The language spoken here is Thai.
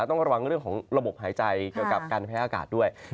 ต้องระวังเรื่องของระบบหายใจเกี่ยวกับการแพ้อากาศด้วย